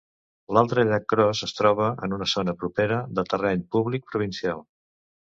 L'altre llac Cross es troba en una zona propera de terreny públic provincial.